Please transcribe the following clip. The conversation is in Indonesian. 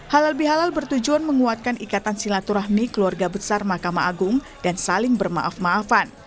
halal bihalal bertujuan menguatkan ikatan silaturahmi keluarga besar mahkamah agung dan saling bermaaf maafan